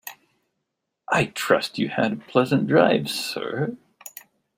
I trust you had a pleasant drive, sir.